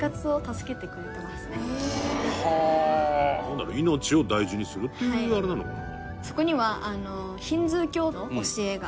なんだろう命を大事にするっていうあれなのかな？